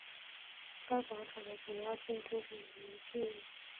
该广场的主要建筑是人民剧院。